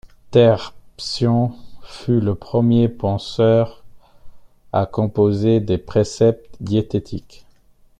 Terpsion fut le premier penseur à composer des préceptes diététiques.